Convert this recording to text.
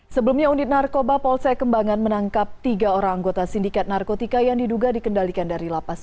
sebelumnya unit narkoba polsek kembangan menangkap tiga orang anggota sindikat narkotika yang diduga dikendalikan dari lapas